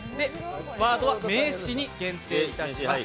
ワードは名詞に限定いたします。